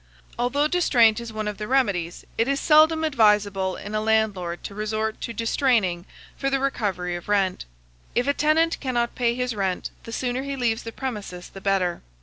Although distraint is one of the remedies, it is seldom advisable in a landlord to resort to distraining for the recovery of rent. If a tenant cannot pay his rent, the sooner he leaves the premises the better.